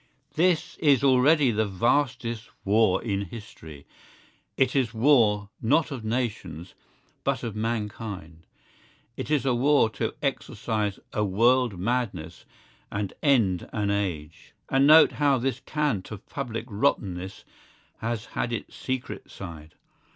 This is already the vastest war in history. It is war not of nations, but of mankind. It is a war to exorcise a world madness and end an age. And note how this Cant of public rottenness has had its secret side.